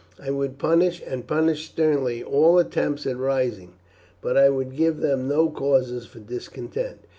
I would punish, and punish sternly, all attempts at rising; but I would give them no causes for discontent.